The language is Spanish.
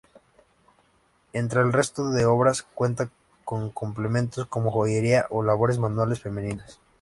Entre el resto de obras cuenta con complementos, como joyería o labores manuales femeninas.